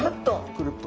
くるっと。